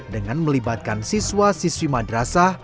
dengan melibatkan siswa siswi madrasah